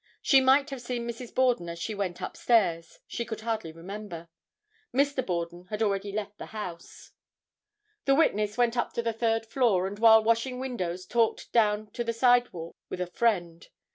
She might have seen Mrs. Borden as she went up stairs. She could hardly remember. Mr. Borden had already left the house. The witness went up into the third floor, and while washing windows talked down to the sidewalk with a friend.